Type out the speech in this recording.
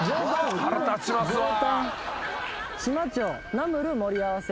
ナムル盛り合わせ。